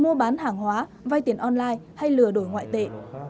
mua bán hàng hóa vay tiền online hay lừa đổi ngoại tệ